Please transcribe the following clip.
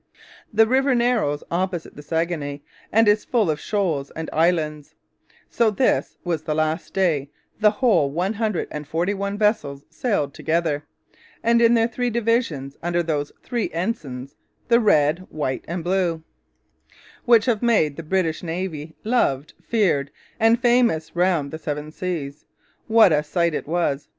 The river narrows opposite the Saguenay and is full of shoals and islands; so this was the last day the whole one hundred and forty one vessels sailed together, in their three divisions, under those three ensigns 'The Red, White, and Blue' which have made the British Navy loved, feared, and famous round the seven seas. What a sight it was!